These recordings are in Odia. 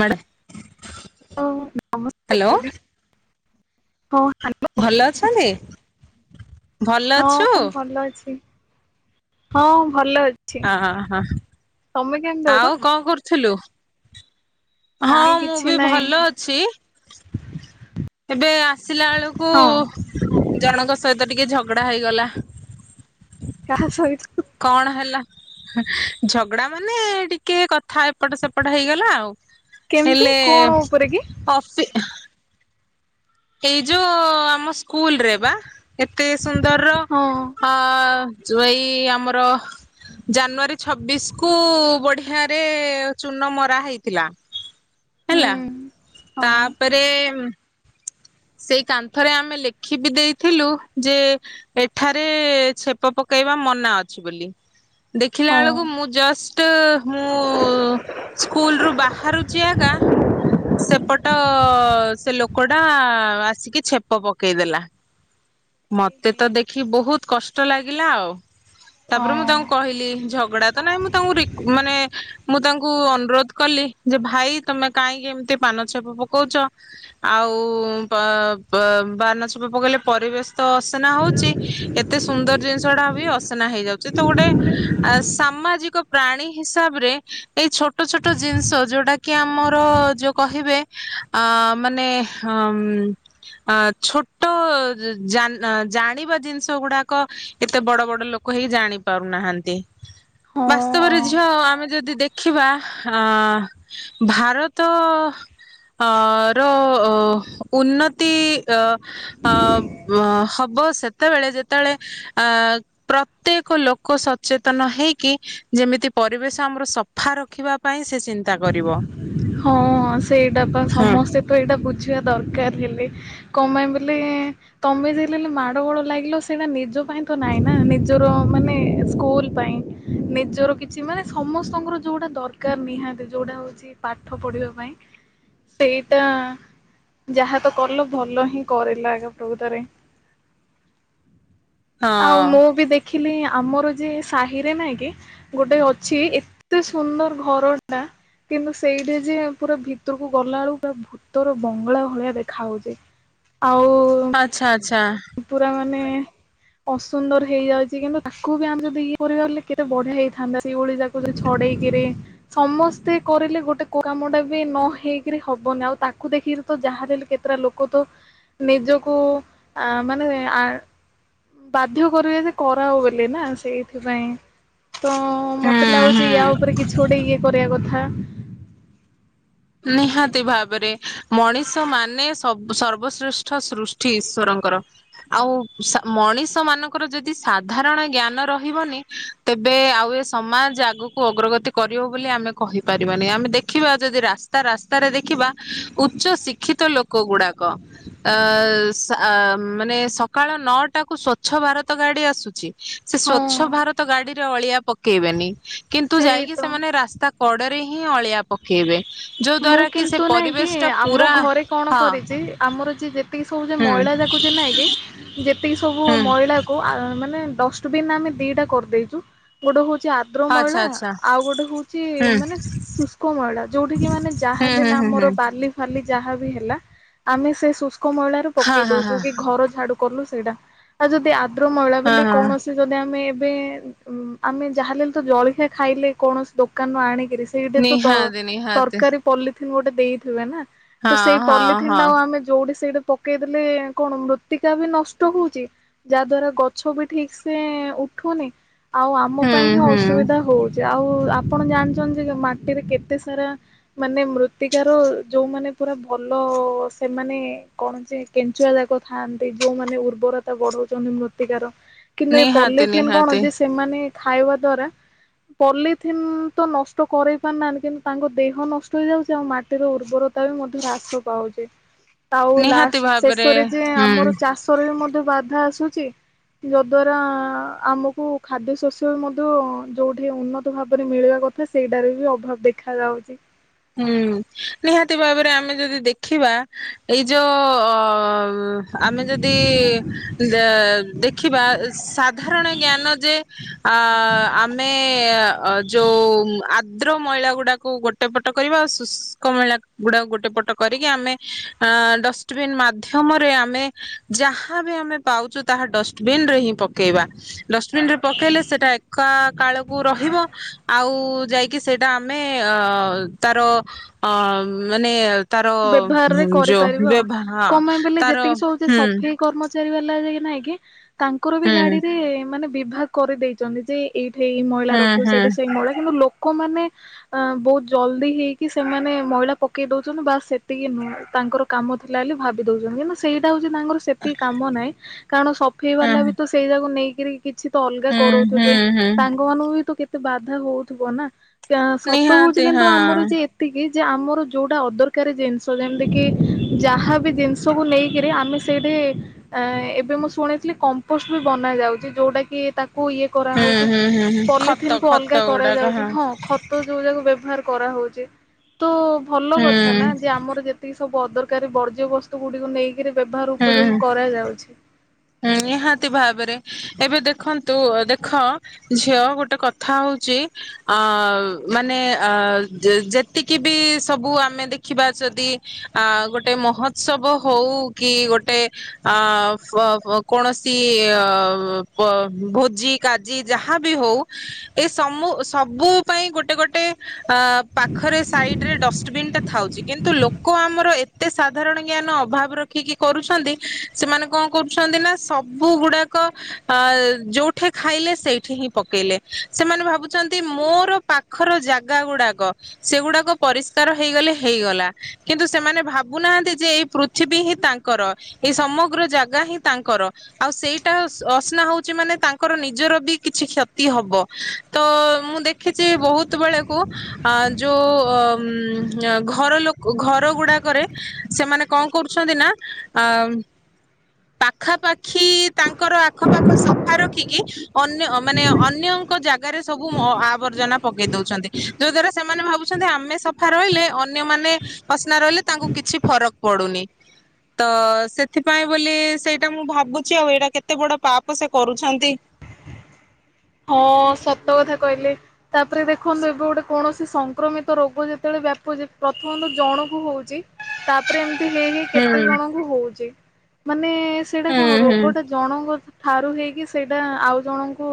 ମାଡ଼ ହଉ ନମସ୍କାର ହ୍ୟାଲୋ। ଦିଦି ହଁ। ଭଲ [unintelligible] ଅଛନ୍ତି ଭଲ ଅଛୁ ହଁ ଭଲ ଅଛି। ହଁ ଭଲ ଅଛି। ହଁ ହ। ତମେ କେମିତି ଅଛ? ଆଉ କଣ କରୁଥିଲୁ। ହଁ ନାଇଁ ମୁଁ କିଛି ବି ନାଇଁ ଭଲ ଅଛି। ଏବେ ଆସିଲା ହଁ ବେଳକୁ ଜଣଙ୍କ ସହିତ ଟିକେ ଝଗଡା ହେଇଗଲା। କାହା ସହିତ? କଣ ହେଲା ଝଗଡା ମାନେ ଟିକେ କଥା ଏପଟ ସେପଟ ହେଇଗଲା ଆଉ କେମିତି ହେଲେ କଣ ଉପରେ କି କଫି- ଏଇ ଯୋଉ ଆମ ସ୍କୁଲ ରେ ବା ଏତେ ସୁନ୍ଦର ହଁ ର ଯୋ ଏଇ ଆମର ଜାନୁଆରୀ ଛବିଶ କୁ ବଢିଆରେ ଚୁନ ମରା ହେଇଥିଲା। ହୁଁ। ହେଲା ହଁ ତାପରେ ସେଇ କାନ୍ଥରେ ଆମେ ଲେଖି ବି ଦେଇଥିଲୁ ଯେ ଏଠାରେ ଛେପ ପକେଇବା ମନା ଅଛି ବୋଲି ଦେଖିଲା ହଁ। ବେଳକୁ ମୁଁ ଜଷ୍ଟ ମୁଁ। ସ୍କୁଲ ରୁ ବାହାରୁଛି ଆଗା ସେପଟ ସେ ଲୋକ ଲୋକଟା ଆସିକି ଛେପ ପକେଇଦେଲା। ମତେ ତ ଦେଖି ବହୁତ କଷ୍ଟ ଲାଗିଲା ଆଉ ତାପରେ ମୁଁ ହଁ ତାଙ୍କୁ କହିଲି ଝଗଡା ତ ନାଇଁ ମୁଁ ତାଙ୍କୁ ରିକ ମାନେ ମୁଁ ତାଙ୍କୁ ଅନୁରୋଧ କଲି ଯେ ଭାଇ ତମେ କାହିଁକି ଏମିତି ପାନଛପ ପକଉଛ। ଆଉ ପ ପା ପାନଛେପ ପକେଇଲେ ପରିବେଶ ତ ଅସନା ହଉଛି ଏତେ ସୁନ୍ଦର ଜିନିଷଟା ବି ଅସନା ହେଇଯାଉଛି ତ ଗୋଟେ ଆ ସାମାଜିକ ପ୍ରାଣୀ ହିସାବରେ ଏଇ ଛୋଟ ଛୋଟ ଜିନିଷ ଯୋଉଟା କି ଆମର ଯୋଉ କହିବେ ଅ ମାନେ ଅ ଆ ଛୋଟ ଜାନ ଜାଣିବା ଜିନିଷ ଗୁଡାକ ଏତେ ବଡ ବଡ ଲୋକ ହେଇ ଜାଣି ପାରୁନାହାନ୍ତି। ହଁ ବାସ୍ତବରେ ହଁ। ଝିଅ ଆମେ ଯଦି ଦେଖ ଦେଖିବା ଆ ଭାରତ ଅ ର ଉନ୍ନତି ଅ ଅ ହବ ସେତେବେଳେ ଯେତେବେଳେ ଅ ପ୍ରତ୍ୟେକ ଲୋକ ସଚେତନ ହେଇକି ଯେମିତି ପରିବେଶ ଆମର ସ ସଫା ରଖିବା ପାଇଁ ସେ ଚିନ୍ତା କରିବ। ହଁ ସେଇଟା ପା ହଁ ସମସ୍ତେ ତ ଏଇଟା ବୁଝିବା ଦରକାର ହେଲେ। କଣ ପାଇଁ ବଲେ ତମେ ଯ ମାଡ ଗୋଳ ଲାଗିଲ ସେଇଟା ନିଜ ପାଇଁ ତ ନାଇଁ ନା ନିଜର ମାନେ ସ୍କୁଲ ପାଇଁ ନିଜର କିଛି ମାନେ ସମସ୍ତଙ୍କର ଯୋଉଟା ଦରକାର ନିହାତି ଯୋଉଟା ହଉଛି। ପାଠ ପଢିବା ପାଇଁ ସେଇଟା ଯାହା ତ କଲ ଭଲ ହିଁ କରିଲ ଆକା ପ୍ରକୃତରେ ଆଉ ହଁ ମୁଁ ବି ଦେଖିଲି ଆମର ଯେ ସାହିରେ ନାଇଁ କି ଗୋଟେ ଅଛି ଏତେ ସୁନ୍ଦର ଘରଟା କିନ୍ତୁ ସେଇଠି ଯେ ପୁରା ଭିତରକୁ ଗଲା ବେଳକୁ ପୁରା ଭୂତର ବଙ୍ଗଳା ଭଳିଆ ଦେଖା ଯାଇଛି। ଆଉ ଆଚ୍ଛା ଆଚ୍ଛା ପୁରା ମାନେ ଅସୁନ୍ଦର ହେଇଯାଉଛି କିନ୍ତୁ ତାକୁ ବି ଆମେ ଯଦି ଇଏ କରିବା ବେଳେ କେତେ ବଢିଆ ହେଇଥାନ୍ତା ସେଇଭଳି ଜା କୋଉଥିରେ ଛଡେଇକିରି ସମସ୍ତେ କରିଲେ ଗୋଟେ କଉ କାମ ଟା ବି ନ ହେଇକିରି ହବନି ଆଉ ତାକୁ ଦେଖିକିରି ତ ଯାହା ବି ହେଲେ କେତେଟା ଲୋକ ତ ନିଜକୁ ଆ ମାନେ ଆଁ ବାଧ୍ୟ କରିବେ ଯେ କରାଅ ବୋଲି ନା ସେଇଥିପାଇଁ ତ ମତେ ହୁଁ ଲାଗୁଛି ୟା ହୁଁ ଉପରେ କିଛି ଗୋଟେ ଇଏ କରିବା କଥା ନିହାତି ଭାବରେ ମଣିଷ ମାନେ ସବ ସର୍ବଶ୍ରେଷ୍ଠ ସୃଷ୍ଟି ଈଶ୍ୱରଙ୍କର। ଆଉ ସା ମଣିଷ ମାନଙ୍କର ଯଦି ସାଧାରଣ ଜ୍ଞାନ ରହିବନି ତେବେ ଆଉ ଏ ସମାଜ ଆଗକୁ ଅଗ୍ରଗତି କରିବ ବୋଲି ଆମେ କହିପାରିବାନି ଆମେ ଦେଖିବା ଆଉ ଯଦି ରାସ୍ତା ତା ରାସ୍ତାରେ ଦେଖିବା ଉଚ୍ଚ ଶିକ୍ଷିତ ଲୋକ ଗୁଡାକ ଆ ସ୍ ଆ ମାନେ ସକାଳ ନଅଟା କୁ ସ୍ଵଚ୍ଛ ଭାରତ ଗାଡ଼ି ଆସୁଛି। ସେ ହଁ। ସ୍ଵଚ୍ଛ ଭାରତ ଗାଡିରେ ଅଳିଆ ପକେଇବେନି କିନ୍ତୁ ସେଇ ଯାଇକି ତ। ସେମାନେ ରାସ୍ତା କଡ଼ରେ ହିଁ ଅଳିଆ ପକେଇବେ। ଯୋଉ ମୁଁ ଦ୍ଵାରା କି ସେ କିନ୍ତୁ ନାଇଁ କି ପରିବେଶ ଟା ଆମ ପୁରା ଘରେ କଣ ହଁ କରିଛି ଆମର ଯିଏ ଯେତିକି ସବୁ ଯେ ହୁଁ ମଇଳା ଯାକ ଯେ ନାଇଁ କି ଯେତିକି ସବୁ ହୁଁ ମଇଳା କୁ ଆ ମାନେ ଡଶ୍ ଷ୍ଟବିନ୍ ଆମେ ଦିଟା କରିଦେଇଛୁ ଗୋଟେ ହଉଛି ଆ ଆଦ୍ର ଆଚ୍ଛା ମଇଳା ଆଚ୍ଛା ଆଉ ଗୋଟେ ହଉଛି ହୁଁ ମାନେ ସୁସ୍ ଶୁଷ୍କ ମଇଳା ଯୋଉଠି କି ମାନେ ଯାହା ହୁଁ ହେଲେ ହୁଁ ହୁଁ ହୁଁ ଆମର ବାଲି ଫାଲି ଯାହା ବି ହେଲା ଆମେ ସେ ଶୁସ୍କ ମଇଳା ରୁ ହଁ ପକେଇ ହଁ ହଁ ଦଉଛୁ କି ଘର ଝାଡୁ କଲୁ ସେଇଟା ଆଉ ଯଦି ଆଦ୍ର ମଇଳା ହଁ ବୋଲି ହଁ କୌଣସି ଯଦି ଆମେ ଏବେ ଆମେ ଯାହା ହେଲେ ତ ଜଳଖିଆ ଖାଇଲେ କୌଣସି ଦୋକାନରୁ ଆଣିକିରି ନିହାତି ନିହାତି କାନି ପଲିଥିନ୍ ଗୋଟେ ଦେଇଥିବେ ନା ତ ହଁ ସେ ହଁ ପଲିଥିନ୍ ହଁ ଟା ଆମେ ଯାଉଠି ସେଇଠି ପକ୍ ପକେଇଦେଲେ କଣ ମୃତ୍ତିକା ବି ନଷ୍ଟ ହଉଛି ଯାହା ଦ୍ଵାରା ଗଛ ବି ଠିକ୍ ସେ ଉଠୁନି। ଆଉ ଆମ ହୁଁ ପାଇଁ ହିଁ ହୁଁ ଅସୁବିଧା ହଉଚି ଆଉ ଆପଣ ଜାଣିଛନ୍ତି ଯେ ମାଟିରେ କେତେ ସାରା ମାନେ ମୃତ୍ତିକାର ଯୋଉମାନେ ପୁରା ଭଲ ସେମାନେ କଣ ଯେ କେଞ୍ଚୁଆ ଯାକ ଥାଆନ୍ତି ଯୋଉମାନେ ଉର୍ବରତା ବଢଉଛନ୍ତି ମୃତ୍ତିକାର। କିନ୍ତୁ ଏଇ ନିହାତି ପଲିଥିନ୍ କଣ ନିହାତି ଯେ ସେମାନେ ଖାଇବା ଦ୍ଵାରା ପଲିଥିନ୍ ତ ନଷ୍ଟ କରେଇ ପାରୁନାହାନ୍ତି କିନ୍ତୁ ତାଙ୍କୁ ଦେହ ନଷ୍ଟ ହେଇଯାଉଛି ଆଉ ମାଟିର ଉର୍ବରତା ବି ମଧ୍ୟ ହ୍ରାସ ପାଉଛି। ଆଉ ନିହାତି ଲାଷ୍ଟ ଭାବରେ ଶେଷରେ ଯେ ହୁଁ ଆମର ଚାଷରେ ବି ମଧ୍ୟ ବାଧା ଆସୁଛି। ଯଦ୍ଵାରା ଆମକୁ ଖାଦ୍ୟ ଶସ୍ୟ ମଧ୍ୟ ଯୋଉଠି ଉନ୍ନତ ଭାବରେ ମିଳିବା କଥା ସେଇଟାରେ ବି ଅଭାବ ଦେଖା ଯାଉଛି। ହୁଁ ନିହାତି ଭାବରେ ଆମେ ଯଦି ଦେଖିବା ଏଇ ଯୋଉ ଅ ଉଁ ଆମେ ଯଦି ଦେ ଦେଖିବା ସାଧାରଣ ଜ୍ଞାନ ଯେ ଆ ଆମେ ଏ ଯୋଉ ଆଦ୍ରବମଇଳା ଗୁଡାକୁ ଗୋଟେ ପଟେ କରିବା ଆଉ ଶୁଷ୍କ ମଇଳା ଗୁଡ଼ା ଗୋଟେ ପଟ କରିକି ଆମେ ଆ ଡଶ୍ ଡଷ୍ଟବିନ୍ ମାଧ୍ୟମରେ ଆମେ ଯାହାବି ଆମେ ପାଉଛୁ ତାହା ଡଷ୍ଟବିନ୍ ରେ ହିଁ ପକେଇବା। ଡଷ୍ଟବିନ୍ ରେ ପକେଇଲେ ସେଇଟା ପକା କାଳକୁ ରହିବ ଆଉ ଯାଇକି ସେଇଟା ଆମେ ଅ ତାର ଅ ମାନେ ତାର ବ୍ୟବହାରରେ ଯୋଉ କରିପାରିବ ଆଉ। ବ୍ୟବହାର ହଁ କଣ ପାଇଁ ବୋଲେ ତାର ଯେତିକି ସବୁ ଯେ ହୁଁ ସଫେଇ କର୍ମଚାରୀ ବାଲା ଯାଇ ନାଇଁ କି ତାଙ୍କର ବି ହୁଁ ଗାଡ଼ିରେ ମାନେ ବିଭାଗ କରିଦେଇଛନ୍ତି ଯେ ଏଇଠି ଏଇ ମଇଳା ହୁଁ ରଖିବ ହୁଁ ସେଇଠି ସେଇ ମଇଳା କିନ୍ତୁ ଲୋକ ଲୋକମାନେ ଆଁ ବହୁତ ଜଲଦି ହେଇକି ସେମାନେ ମଇଳା ପକେଇ ଦଉଛନ୍ତି ବାଶ୍ ସେତିକି ନୁହଁ ତାଙ୍କର କାମ ଥିଲା ବୋଲି ଭାବି ଦଉଛନ୍ତି। କିନ୍ତୁ ସେଇଟା ହଉଛି ତାଙ୍କର ସେତିକି କାମ ନାହିଁ କାରଣ ସଫେଇ ହୁଁ ବାଲା ବି ତ ସେଇ ଯାକୁ ନେଇକରି କିଛି ତ ଅଲଗା ହୁଁ ହୁଁ କରଉଥିବେ ହୁଁ ତାଙ୍କ ମାନଙ୍କୁ ବି ତ କେତେ ବାଧା ହଉଥିବ ନା? ଯେ ସତ ହଉଛି ନିହାତି କିନ୍ତୁ ହଁ ଆମର ଯେ ଏତିକି ଯେ ଆମର ଯୋଉଟା ଅଦର ଦ ଜିନିଷ ଯେମିତି କିି ଯାହା ବି ଜିନିଷକୁ ନେଇକିରି ଆମେ ସେଇଠି ଆଁ ଆଁ ଏବେ ମୁଁ ଶୁଣିଥିଲି କମ୍ପୋଷ୍ଟ ବି ବନା ଯାଉଛି ଯୋଉଟା କି ତାକୁ ଇଏ ହୁଁ କରାହଉଛି। ହୁଁ ହୁଁ ହୁଁ ପଲିଥିନ ଖତ କୁ ଖତ ଅଲଗା ଗୁଡାକ କରାଯାଉଛି। ହଁ ଖ ତ ତ ଯୋଉ ଯାକ ବ୍ୟବହାର କରାହେଉଛି ତ ଭଲ କଥା ହୁଁ ନା ଯେ ଆମର ଯେତିକି ସବୁ ଅଦରକାରୀ ବର୍ଜ୍ୟ ବସ୍ତୁ ଗୁଡିକୁ ନେଇକିରି ବ୍ୟବହାର ହୁଁ ଉପଯୋଗୀ କରାଯାଉଛି। ହୁଁ ନିହାତି ଭାବରେ ଏବେ ଦେଖନ୍ତୁ। ଓ ଦେଖ ଝିଅ ଗୋଟେ କଥା ହଉଛି। ଆଃ ମାନେ ଆଃ ଯେତିକି ବି ସବୁ ଆମେ ଦେଖିବା ଯଦି ଆ ଗୋଟେ ମହୋତ୍ସବ ହଉ କି ଗୋଟେ ଅ କ କୌଣସି ଅ ବ ଭୋଜି କାଜି ଯାହା ବି ହଉ ଏ ସମୁ ସବୁ ପାଇଁ ଗୋଟେ ଗୋଟେ ଆ ପାଖରେ ସାଇଡ୍ ରେ ଡ ସ ଡଷ୍ଟବିନ୍ ଟା ଥାଉ। କିନ୍ତୁ ଲୋକ ଆମର ଏତେ ସାଧାରଣ ଜ୍ଞାନ ଅଭାବ ର ରଖିକି କରୁଛନ୍ତି ସେମାନେ କଣ କରୁଛନ୍ତି ନା ସବୁ ଗୁଡାକ ଅ ଆ ଯୋଉ ସେଠି ଖାଇଲେ ସେଇଠି ହିଁ ପକେଇଲେ ସେମାନେ ଭାବୁଛନ୍ତି ମୋର ପାଖର ଜାଗା ଗୁଡାକ ସେଗୁଡାକ ପରିଷ୍କାର ହେଇଗଲେ ହେଇଗଲା। କିନ୍ତୁ ସେମାନେ ଭାବୁନାହାନ୍ତି ଯେ ଏଇ ପୃଥିବୀ ହିଁ ତାଙ୍କର ଏଇ ସମଗ୍ର ଜାଗା ହିଁ ତାଙ୍କର। ଆଉ ସେଇଟା ଅସନା ହଉଛି ମାନେ ତାଙ୍କର ନିଜର ବି କିଛି କ୍ଷତି ହବ। ତ ମୁଁ ଦେଖିଛି ବହୁତ ବେଳକୁ ଅ ଯୋଉ ଅ ଘର ଲୋକ ଓ ଘର ଗୁଡାକରେ ସେମାନେ କଣ କରୁଛନ୍ତି ନା ଅ ପାଖାପାଖି ତାଙ୍କର ଆଖପାଖ ସଫା ରଖିକି ଅନ୍ୟ ମାନେ ଅନ୍ୟଙ୍କ ଜାଗାରେ ସବୁ ଅ ଆବର୍ଜନା ପକେଇ ଦଉଛନ୍ତି। ଯୋଉ ଦ୍ଵାରା ସେମାନେ ଭାବୁଛନ୍ତି ଆମେ ସଫା ରହିଲେ ଅନ୍ୟମାନେ ଦୁ ଅସନା ରହିଲେ ତାଙ୍କୁ କିଛି ଫରକ ପଡୁନି। ତ ସେଥିପାଇଁ ବୋଲି ସେଇଟା ମୁଁ ଭାବୁଛି ଆଉ ଏଇଟା କେତେ ବଡ ପାପ ସେ କରୁଛନ୍ତି। ହଁ ସତ କଥା କହିଲେ। ତାପରେ ଦେଖନ୍ତୁ ଏବେ ଗୋଟେ କୌଣସି ସଂକ୍ରମିତ ରୋଗ ଯେତେବେଳେ ବ୍ୟାପୁଛି ପ୍ରଥମ ତ ଜଣକୁ ହଉଛି। ତାପରେ ଏମିତି ହେଇ ହେଇ ହୁଁ କେତେ ଜଣଙ୍କୁ ହଉଛି। ମାନେ ସେଇଟା ହୁଁ କଣ ହୁଁ ରୋଗଟା ଜଣଙ୍କ ଠାରୁ ହେଇକି ସେଇଟା ଆଉ ଜଣଙ୍କୁ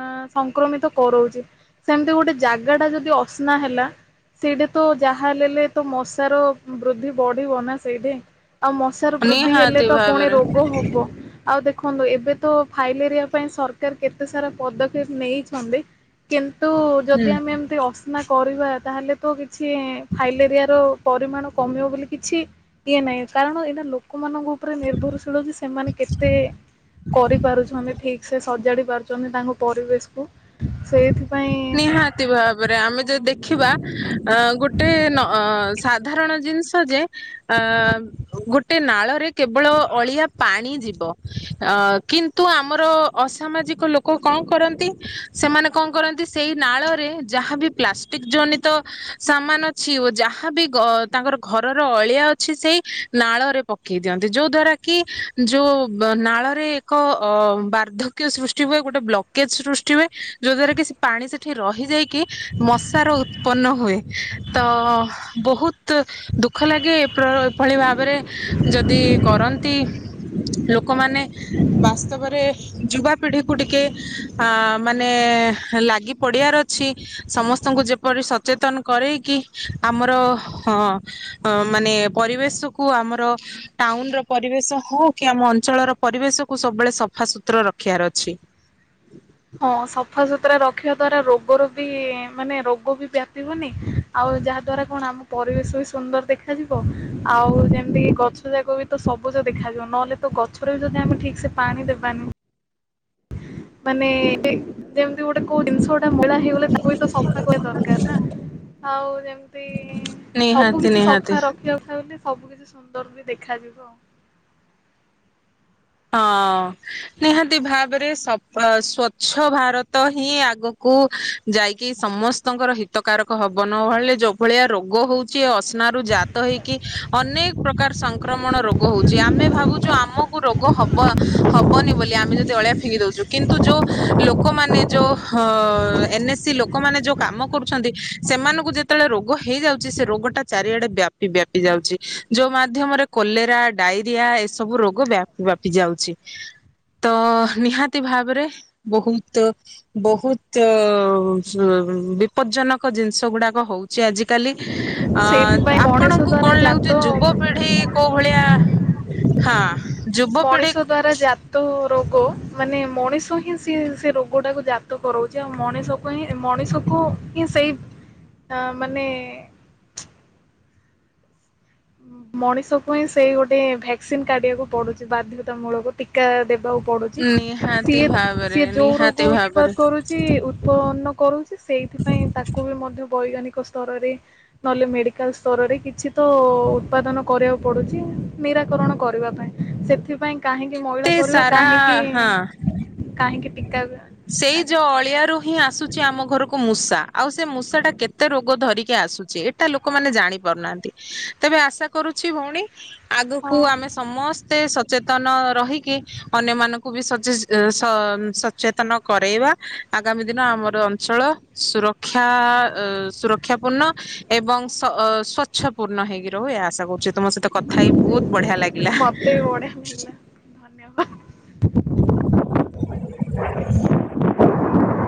ଅ ସଂକ୍ରମିତ କରଉଛି। ସେମିତି ଗୋଟେ ଜାଗା ଟା ଯଦି ଅସନା ହେଲା ସେଇଟା ତ ଯାହା ହେଲେଲେ ତ ମଶାର ବୃଦ୍ଧି ବଢିବ ନା ସେଇଠେ ଆଉ ମଶ୍ ାର ବୃଦ୍ଧି ହେଲେ ନିହାତି ତ କଣ ଭାବରେ। ରୋଗ ହବ। ଆଉ ଦେଖନ୍ତୁ ଏବେ ତ ଫାଇଲେରିଆ ପାଇଁ ସରକାର କେତେ ସାରା ପଦକ୍ଷେପ ନେଇଛନ୍ତି। କିନ୍ତୁ ହୁଁ ଯଦି ଆମେ ଏମତି ଅସ୍ନା କରିବା ତାହେଲେ ତ କିଛି ଫାଇଲେରିଆ ର ପରିମାଣ କମିବ ବୋଲି କିଛି ଇଏ ନାହିଁ। କାରଣ ଏଇଟା ଲୋକମାନଙ୍କୁ ଉପରେ ନିର୍ଭରଶୀଳ ଯେ ସେମାନେ କେତେ କରିପାରୁଛନ୍ତି। ଠିକ୍ ସେ ସଜାଡି ପାରୁଛନ୍ତି। ତାଙ୍କ ପରିବେଶ। ନିହାତି ଭାବରେ ଆମେ ଯଦି ଦେଖିବା ଅ ଗୋଟେ ନ ସା ସାଧାରଣ ଜିନିଷ ଯେ ଅ ଗୋଟେ ନାଳରେ କେବଳ ଅଳିଆ ପାଣି ଯିବ। ଅ କିନ୍ତୁ ତୁ ଆମର ଅସାମାଜିକ ଲୋକ କଣ କରନ୍ତି। ସେମାନେ କଣ କରନ୍ତି ସେଇ ନାଳରେ ଯାହା ବି ପ୍ଲାଷ୍ଟିକ୍ ଜନିତ ସାମାନ ଅଛି ଓ ଯାହାବି ଗ-ତାଙ୍କର ଘରର ଅଳିଆ ଅଛି, ସେଇ ନାଳରେ ପକେଇ ଦିଅନ୍ତି। ଯୋଉ ଦ୍ଵାରା କି ଯୋଉ ନାଳରେ ଏକ ଅ ବାର୍ଦ୍ଧ କ୍ୟ ସୃଷ୍ଟି ହୁଏ, ଗୋଟେ ବ୍ଲକେଜ୍ ସୃଷ୍ଟି ହୁଏ। ଯୋ ଦ୍ଵାରା କି ସେ ପାଣି ସେଠି ରହିଯାଇକି ମଶାର ଉତ୍ପନ୍ନ ହୁଏ। ତ ବହୁତ ଦୁଃଖ ଲାଗେ ପ୍ର ଏଭଳି ଭାବରେ ଯଦି କରନ୍ତି। ଲୋକମାନେ ବାସ୍ତବରେ ଯୁବାପିଢିକୁ ଟିକେ ଅ ମାନେ ମାନେ ଲାଗି ପଡିବାର ଅଛି। ସମସ୍ତଙ୍କୁ ଯେପରି ସଚେତନ କରେଇ କି ଆମର ହଁ, ମାନେ ପରିବେଶକୁ ଆମର ଟାଉନର ପରିବେଶ ହଉ କି ଆମ ଅଞ୍ଚଳର ପରିବେଶକୁ ସବୁବେଳେ ସଫା ସୁତୁର ରଖିବାର ଅଛି। ହଁ ସଫାସୁତୁରା ରଖିବା ଦ୍ଵାରା ରୋଗର ବି ମାନେ ରୋଗ ବି ବ୍ୟାପିବନି। ଆଉ ଯାହା ଦ୍ଵାରା କଣ ଆମ ପରିବେଶ ବି ସୁନ୍ଦର ଦେଖାଯିବ? ଆଉ ଯେମିତି ଗଛ ଯାକ ବି ତ ସବୁଜ ଦେଖାଯିବ, ନ ହେଲେ ତ ଗଛରେ ବି ଯଦି ଆମେ ଠିକ୍ସେ ପାଣି ଦେବାନି ମାନେ ଏ ଯେମିତି ଗୋଟେ କୋଉ ଜିନିଷ ମଇଳା ହେଇଗଲେ ତାକୁ ବି ତ ସଫା ଟିକେ ଦରକାର ନା। ଆଉ ଯେମିତି ସବୁ ନିହାତି କିଛି ନିହାତି। ସଫା ରଖି ନ ଥାନ୍ତି, ସବୁ କିଛି ସୁନ୍ଦର ବି ଦେଖାଯିବ। ହଁ, ନିହାତି ଭାବରେ ସଫ-ସ୍ଵଚ୍ଛ ଭାରତ ହିଁ ଆଗୁ କୁ ଯାଇକି ସମସ୍ତଙ୍କର ହିତକାରକ ହବ। ନ ହଲେ ଯୋଉ ଭଳିଆ ରୋଗ ହଉଛି ଅଶି ଆବର୍ଜନାରୁ ଜାତ ହେଇକି ଅନେକ ପ୍ରକାର ସଂକ୍ରମଣ ରୋଗ ହଉଛି। ଆମେ ଭାବୁଛୁ ଆମକୁ ହବ ହବନି ବୋଲି ଆମେ ଯଦି ଅଳିଆ ଫିଙ୍ଗି ଦଉଛୁ କିନ୍ତୁ ଯୋଉ ଲୋକମାନେ ଯୋଉ ହଁ ଏନ୍ଏସ୍ ସି ଲୋକମାନେ ଯୋଉ କାମ କରୁଛନ୍ତି, ସେମାନଙ୍କୁ ଯେ ଯେତେବେଳେ ରୋଗ ହେଇଯାଉଛି ସେ ରୋଗଟା ଚାରିଆଡେ ବ୍ୟାପି ବ୍ୟାପି ଯାଉଛି। ଯୋଉ ମାଧ୍ୟମରେ କୋଲେରା ଡାଇରିଆ ଏସବୁ ରୋଗ ବ୍ୟାପ୍ ବ୍ୟାପି ଯାଉଛି। ତ ନିହାତି ଭାବରେ ବହୁତ ବହୁତ ବିପଦ୍ଜନକ ଜିନିଷଗୁଡାକ ହଉ ଚି ଆଜିକାଲି। ଅ ସେଇଥିପାଇଁ ମଣିଷ ଆପଣଙ୍କୁ ଦ୍ଵାରା କଣ ଲାଗୁଛି ଯେ ଜାତ ଯୁବ ପିଢି କୋଉ ଭଳିଆ ହଁ, ଯୁବପିଢି ମଣିଷ ଦ୍ଵାରା ଜା ତ ରୋଗ, ମାନେ ମଣିଷ ହିଁ ସିଏ ସେ ରୋଗଟାକୁ ଜାତ କରଉଛି ଆଉ ମଣିଷ ହିଁ। ମଣିଷକୁ ହିଁ ସେଇ ମାନେ ମଣିଷକୁ ହିଁ ସେଇ ଗୋଟେ ଭ୍ୟାକ୍ସିନ୍ କାଢିବାକୁ ପଡୁଛି ବାଧ୍ୟତାମୂଳକ ଟୀକା ଦେ ବାକୁ ପଡୁଛି। ନିହାତି ସିଏ ଭାବରେ ସିଏ ଯୋଉ ନିହାତି ରୋଗ ଭାବରେ ଉତ୍ପାଦ କରୁଛି, ଉତ୍ପନ୍ନ କରୁଛି, ସେଇଥିପାଇଁ ତାକୁ ବି ମଧ୍ୟ ବୈଜ୍ଞାନିକ ସ୍ତରରେ ନ ହେଲେ ମେଡିକାଲ ସ୍ତରରେ କିଛି ତ ଉତ୍ପାଦନ କରିବାକୁ ପଡୁଛି, ନିରାକରଣ କରିବା ପାଇଁ। ସେଥିପାଇଁ କାହିଁକି ମଇଳା କେତେ କରିବା ସାରା କାହିଁକି ହଁ କାହିଁକି ଟିକା ସେଇ ଯୋଉ କାଢିବା। ଅଳିଆରୁ ହିଁ ଆସୁଛି ଆମ ଘରକୁ ମୂଷା। ଆଉ ସେ ମୂଷାଟା କେତେ ରୋଗ ଧରିକି ଆସୁଛି? ତ ଲୋକମାନେ ଜାଣି ପାରୁନାହାନ୍ତି। ତେବେ ଆଶା କରୁଛି ଭଉଣୀ, ଆଗକୁ ଆମେ ହଁ ସମସ୍ତେ ସଚେତନ ରହିକି ଅନ୍ୟମାନଙ୍କୁ ବି ସଚେସ ସ ସଚେତନ କରେଇବା। ଆଗାମୀ ଦିନ ଆମର ଅଞ୍ଚଳ ସୁରକ୍ଷା ଅ ସୁ ରକ୍ଷାପୂର୍ଣ୍ଣ ଏବଂ ସ-ସ୍ଵଚ୍ଛପୂର୍ଣ୍ଣ ହେଇକି ରହୁ। ଏହା ଆଶା କରୁଛି, ତମ ତ କଥାହେଇ ବହୁତ ବଢିଆ ଲାଗିଲା। ମତେ ବି ବଢିଆ ଲାଗିଲା ଧନ୍ୟବାଦ। ହୁ ହୁ